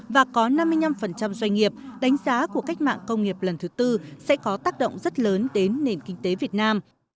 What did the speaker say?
và có năm mươi năm doanh nghiệp đánh giá của cách mạng công nghiệp lần thứ tư sẽ có tác động rất lớn đến nền kinh tế việt nam